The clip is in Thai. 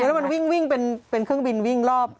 แล้วมันวิ่งเป็นเครื่องบินวิ่งรอบ